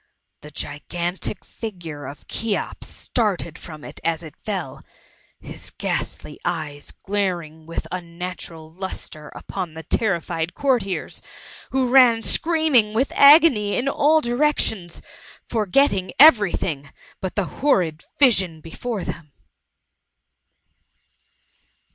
The gigantic figure of Cheops started from it as it fell^ his ghastly eyes glaring with unnatural lustre upon the terrified courtiers, who ran scream ing with agony in all directions, forgetting every thing but the horrid vision before them.